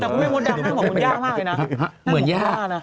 แบบบูปหน้านะ